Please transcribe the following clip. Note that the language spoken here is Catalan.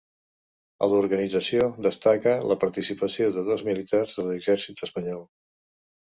A l'organització destaca la participació de dos militars de l'Exèrcit espanyol.